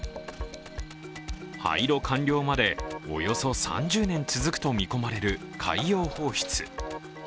廃炉完了まで、およそ３０年続くと見込まれる海洋放出。